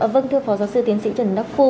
vâng thưa phó giáo sư tiến sĩ trần đắc phu